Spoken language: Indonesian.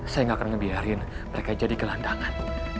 saya gak akan ngebiarin mereka jadi gelandangan